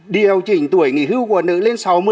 điều chỉnh tuổi nghỉ hưu của nữ lên sáu mươi